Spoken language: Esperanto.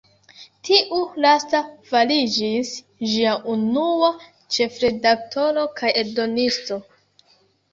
Tiu lasta fariĝis ĝia unua ĉefredaktoro kaj eldonisto.